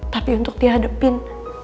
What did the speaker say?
tapi untuk dihadepin